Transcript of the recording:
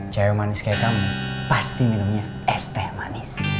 cair manis kayak kamu pasti minumnya es teh manis